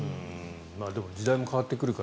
でも時代も変わってくるから。